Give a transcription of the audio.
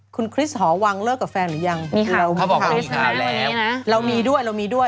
คุณคริสหอวางเลิกกับแฟนหรือยังมีค่ะเขาบอกว่ามีข่าวแล้วเรามีด้วยเรามีด้วย